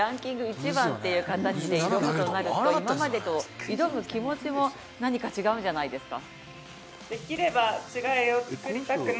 １番という形で挑むとなると今までと挑む気持ちも何か違うんじゃないですか。